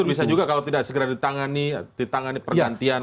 justru bisa juga kalau tidak segera ditangani ditangani pergantian